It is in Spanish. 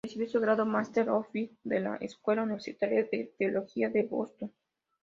Recibió su grado Master of Divinity de la Escuela Universitaria de Teología de Boston.